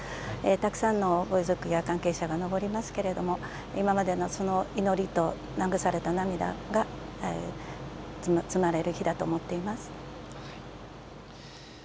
たくさんのご遺族や関係者が登りますけれども、今までのその祈りと流された涙が積まれる日だと思っております。